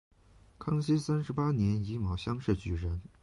康熙三十八年己卯乡试举人。